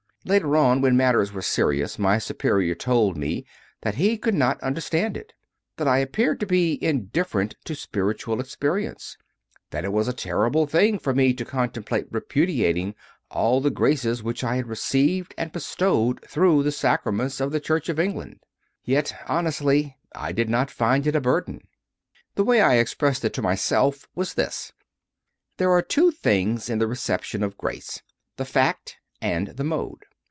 Later on, when matters were serious, my Superior told me that he could not understand it; that I appeared to be indifferent to spiritual experience; that it was a terrible thing for me to contemplate repudiating all the graces which I had received and bestowed through the Sacraments of the Church of England. Yet, honestly, I did not find it a burden. The way I expressed it to myself was this. There are two things in the reception of grace the fact and the mode.